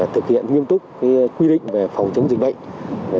thực hiện nghiêm túc quy định về phòng chống dịch bệnh